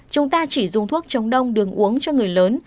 chúng ta chỉ dùng thuốc chống đông đường uống cho người lớn